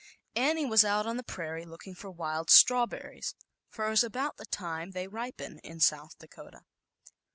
Annie was out on the prairie looking for wild strawberries, for it was about the time they ripen in South Dakota.